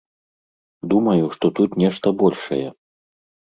Думаю, што тут нешта большае.